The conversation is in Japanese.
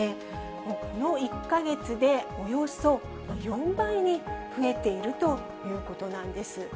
もうこの１か月で、およそ４倍に増えているということなんです。